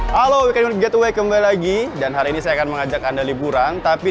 halo we can make a getaway kembali lagi dan hari ini saya akan mengajak anda liburan tapi